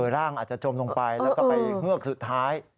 ร่างอาจจะจมลงไปแล้วก็ไปเฮือกสุดท้าย